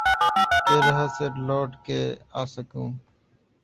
کہ لحد سے لوٹ کے آسکھوں